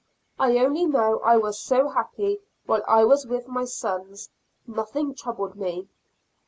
I only know I was so happy while I was with my sons; nothing troubled me.